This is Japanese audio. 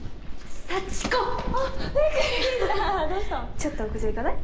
ちょっと屋上行かない？